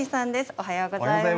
おはようございます。